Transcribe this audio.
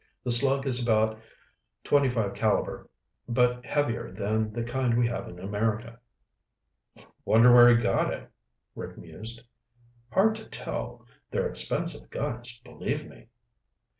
The slug is about .25 caliber, but heavier than the kind we have in America." "Wonder where he got it," Rick mused. "Hard to tell. They're expensive guns, believe me."